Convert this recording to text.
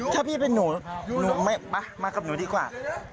ถ้าพี่เป็นหนูมากับหนูดีกว่า